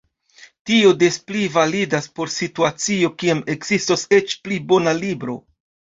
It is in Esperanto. Tio des pli validas por situacio kiam ekzistos eĉ pli bona libro.